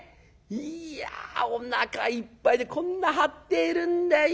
いやおなかいっぱいでこんな張っているんだ。